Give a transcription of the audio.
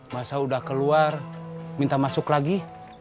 masa sudah keluar minta masuk lagi